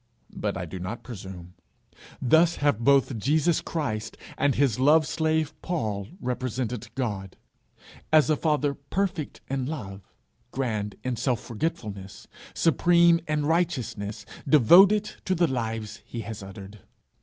But I do not presume. Thus have both Jesus Christ and his love slave Paul represented God as a Father perfect in love, grand in self forgetfulness, supreme in righteousness, devoted to the lives he has uttered.